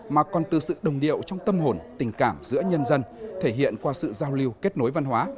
mà còn từ sự đồng điệu trong tâm hồn tình cảm giữa nhân dân thể hiện qua sự giao lưu kết nối văn hóa